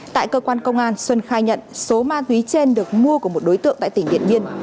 tại cơ quan công an xuân khai nhận số ma túy trên được mua của một đối tượng tại tỉnh điện biên